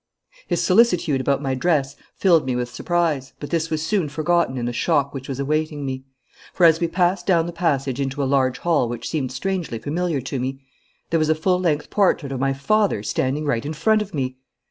His solicitude about my dress filled me with surprise, but this was soon forgotten in the shock which was awaiting me. For as we passed down the passage and into a large hall which seemed strangely familiar to me, there was a full length portrait of my father standing right in front of me.